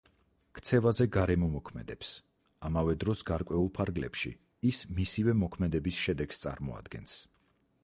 ქცევაზე გარემო მოქმედებს, ამავე დროს, გარკვეულ ფარგლებში, ის მისივე მოქმედების შედეგს წარმოადგენს.